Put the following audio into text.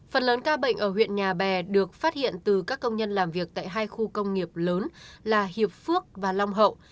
phần lớn ca bệnh ở huyện nhà bè được phát hiện từ các công nhân làm việc tại hai khu công nghiệp lớn là hiệp phước và long hậu